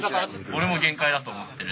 オレも限界だと思ってる。